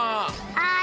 はい！